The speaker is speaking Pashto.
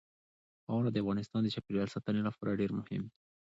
خاوره د افغانستان د چاپیریال ساتنې لپاره ډېر مهم دي.